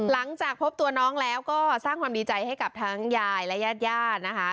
หลังจากพบตัวน้องแล้วก็สร้างความดีใจให้กับทั้งยายและญาติญาตินะคะ